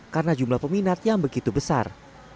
karena jumlah peminat yang begitu besar